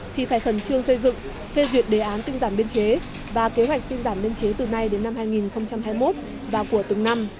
thì phải khẩn trương xây dựng phê duyệt đề án tinh giảm biên chế và kế hoạch tinh giảm biên chế từ nay đến năm hai nghìn hai mươi một và của từng năm